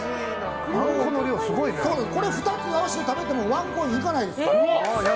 これ２つ合わせて食べてもワンコイン行かないですから。